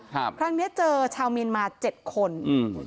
ครั้งเนี้ยเจอชาวเมียนมาเจ็ดคนอืม